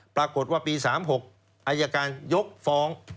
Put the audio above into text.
ปรากฏว่าปี๓๖อายการยกฟ้อง